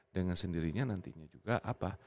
dengan sendirinya nantinya juga apa